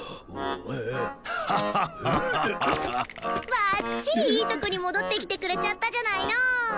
バッチリいいとこに戻ってきてくれちゃったじゃないの！